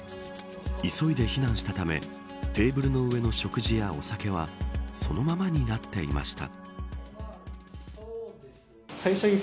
急いで避難したためテーブルの上の食事やお酒はそのままになっていました。